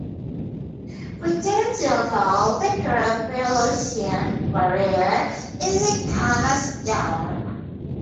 Within Deauville The Groupe Lucien Barriere is a cornerstone.